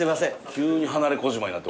急に離れ小島になってもうて。